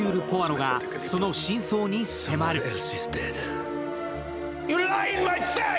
ポアロがその真相に迫る。